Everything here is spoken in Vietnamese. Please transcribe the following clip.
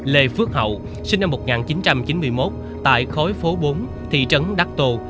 lê phước hậu sinh năm một nghìn chín trăm chín mươi một tại khối phố bốn thị trấn đắc tô